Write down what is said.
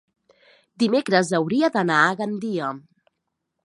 Dimecres hauria d'anar a Gandia.